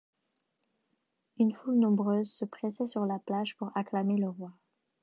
Une foule nombreuse se pressait sur la plage pour acclamer le roi.